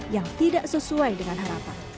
yang tidak sesuai dengan harapan